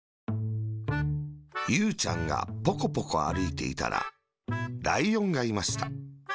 ゆうちゃんがポコポコあるいていたら、ライオンがいました。